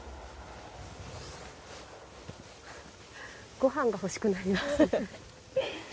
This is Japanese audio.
ごはんが欲しくなりますね。